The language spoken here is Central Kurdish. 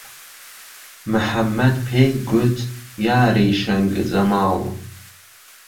محەممەد پێی گوت یاری شهنگ جهماڵ